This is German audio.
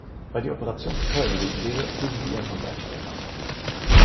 Weil die Operation zu teuer gewesen wäre, ließen sie ihren Hund einschläfern.